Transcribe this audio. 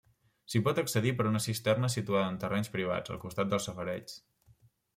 S'hi pot accedir per una cisterna situada en terrenys privats, al costat dels safareigs.